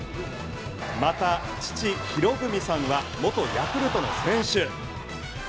また父・博文さんは元ヤクルトの選手。